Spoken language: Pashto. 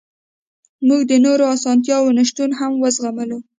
موږ د نورو اسانتیاوو نشتون هم وزغملو